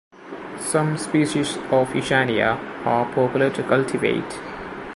Some species of "Yushania" are popular to cultivate.